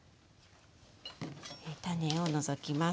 種を除きます。